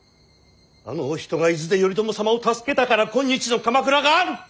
あのお人が伊豆で頼朝様を助けたから今日の鎌倉がある！